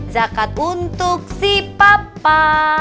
zakat untuk si papa